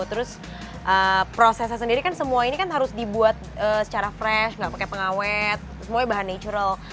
terus prosesnya sendiri kan semua ini kan harus dibuat secara fresh nggak pakai pengawet semuanya bahan natural